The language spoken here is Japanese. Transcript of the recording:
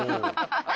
ハハハ。